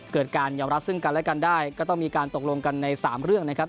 การยอมรับซึ่งกันและกันได้ก็ต้องมีการตกลงกันใน๓เรื่องนะครับ